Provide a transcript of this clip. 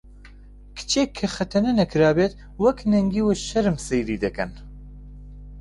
کچێک کە خەتەنە نەکرابێت وەک نەنگی و شەرم سەیری دەکەن